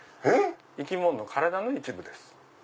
生き物の体の一部です。